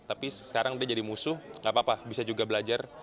tapi sekarang dia jadi musuh gak apa apa bisa juga belajar